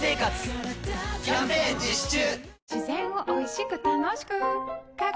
キャンペーン実施中！